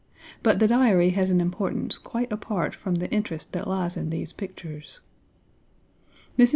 But the Diary has an importance quite apart from the interest that lies in these pictures. Mrs.